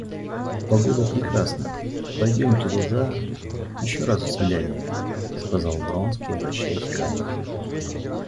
Погода прекрасная, пойдемте туда, еще раз взглянем, — сказал Вронский, обращаясь к Анне.